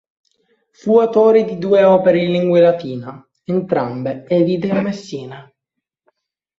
Fu autore di due opere in lingua latina, entrambe edite a Messina.